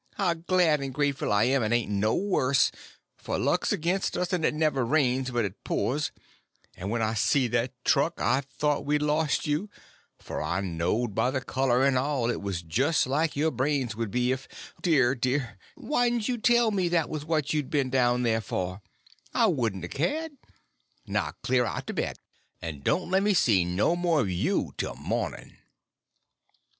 and how glad and grateful I am it ain't no worse; for luck's against us, and it never rains but it pours, and when I see that truck I thought we'd lost you, for I knowed by the color and all it was just like your brains would be if—Dear, dear, whyd'nt you tell me that was what you'd been down there for, I wouldn't a cared. Now cler out to bed, and don't lemme see no more of you till morning!"